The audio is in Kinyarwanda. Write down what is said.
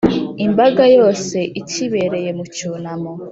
imbaga yose ikibereye mu cyunamo,